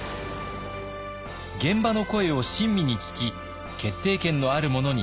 現場の声を親身に聞き決定権のある者に要望しました。